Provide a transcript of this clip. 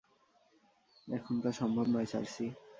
এখন তা সম্ভব নয়, সার্সি।